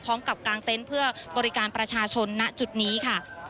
พร้อมกับกลางเตนเพื่อบริการประชาชนน่ะจุดนี้ค่ะ